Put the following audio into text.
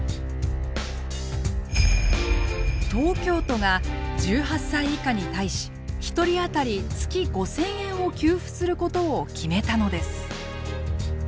東京都が１８歳以下に対し１人あたり月５，０００円を給付することを決めたのです。